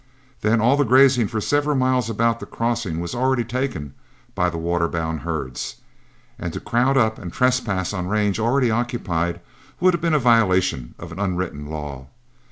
Then all the grazing for several miles about the crossing was already taken by the waterbound herds, and to crowd up and trespass on range already occupied would have been a violation of an unwritten law.